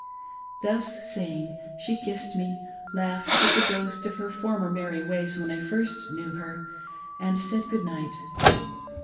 Thus saying, she kissed me, laughed with the ghost of her former merry ways when first I knew her; and said good night.